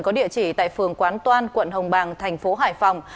có địa chỉ tại phường quán toan quận hồng bàng thành phố hải phòng